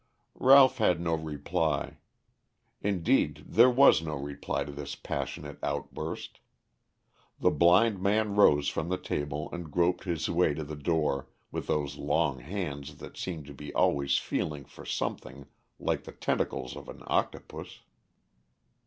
Ralph had no reply; indeed there was no reply to this passionate outburst. The blind man rose from the table and groped his way to the door with those long hands that seemed to be always feeling for something like the tentacles of an octopus.